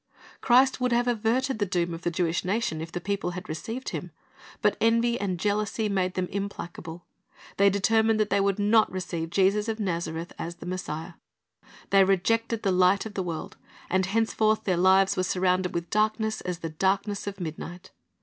Christ would have averted the doom of the Jewish nation if the people had received Him. But envy and jealousy made them implacable. They determined that they would not receive Jesus of Nazareth as the Messiah. They rejected the Light of the world, and henceforth their lives were surrounded with darkness as the darkness of midnight.